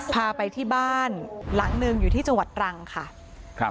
พาไปที่บ้านหลังหนึ่งอยู่ที่จังหวัดตรังค่ะครับ